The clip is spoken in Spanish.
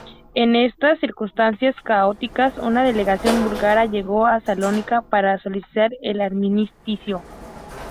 En estas circunstancias caóticas, una delegación búlgara llegó a Salónica para solicitar el armisticio.